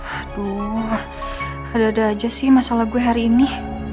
aduh ada ada aja sih masalah gue hari ini